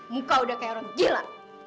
muka udah kayak orang gila